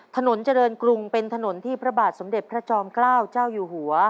ถนนเจริญกรุงเป็นถนนที่พระบาทสมเด็จพระจอมเกล้าเจ้าอยู่หัว